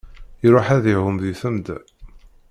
Iṛuḥ ad iɛum di temda.